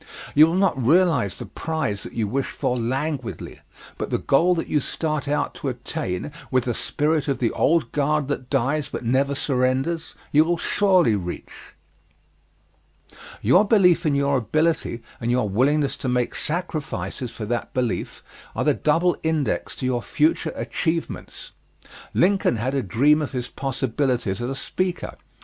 You will not realize the prize that you wish for languidly, but the goal that you start out to attain with the spirit of the old guard that dies but never surrenders, you will surely reach. Your belief in your ability and your willingness to make sacrifices for that belief, are the double index to your future achievements. Lincoln had a dream of his possibilities as a speaker.